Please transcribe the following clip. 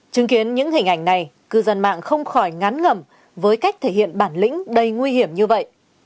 chứng kiến những hình ảnh này cư dân mạng không khỏi ngán ngẩm với cách thể hiện bản lĩnh đầy nguy hiểm như vậy